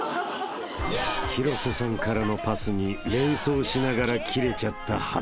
［広瀬さんからのパスに連想しながらキレちゃった長谷川］